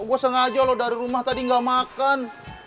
gue sengaja lo dari rumah tadi gak makan